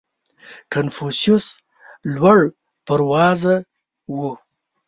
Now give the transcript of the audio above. • کنفوسیوس لوړ پروازه و.